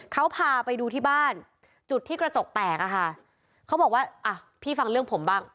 เขาพาไปดูที่บ้านจุดที่กระจกแตกอะค่ะเขาบอกว่าอ่ะพี่ฟังเรื่องผมบ้าง